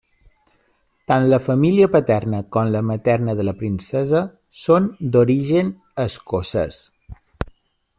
Tant la família paterna com la materna de la princesa són d'origen escocès.